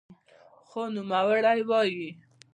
خو نوموړی وايي